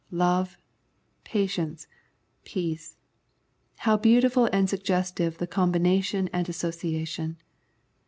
Love, Patience, Peace — ^how beautiful and suggestive the combination and association